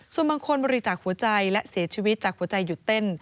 ส่วนบางคนบริจาคหัวใจและเสียชีวิตจากหัวใจหยุดเต้น